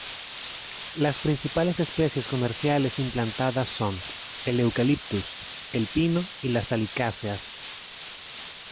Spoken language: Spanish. Las principales especies comerciales implantadas son el eucaliptus, el pino y las salicáceas.